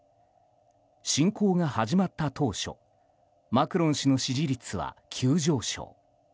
侵攻が始まった当初マクロン氏の支持率は急上昇。